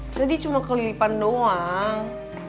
jadi cuma keliripan doang